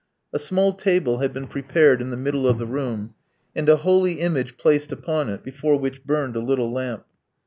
A small table had been prepared in the middle of the room, and a holy image placed upon it, before which burned a little lamp.